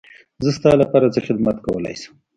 زه ستا لپاره څه خدمت کولی شم.